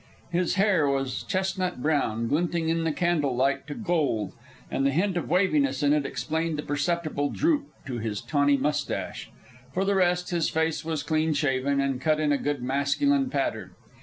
His hair was chestnut brown, glinting in the candle light to gold, and the hint of waviness in it explained the perceptible droop to his tawny moustache. For the rest, his face was clean shaven and cut on a good masculine pattern.